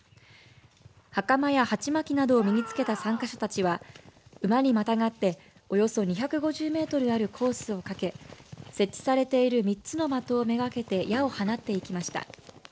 はかまや鉢巻きなど身につけた参加者たちは馬にまたがっておよそ２５０メートルあるコースを駆け設置されている３つの的をめがけて矢を放っていきました。